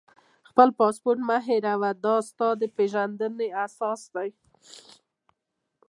خپل پاسپورټ مه هېروه، دا ستا د پېژندنې اساس دی.